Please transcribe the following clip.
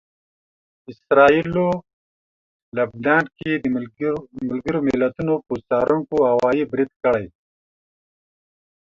اسراییلو لبنان کې د ملګرو ملتونو پر څارونکو هوايي برید کړی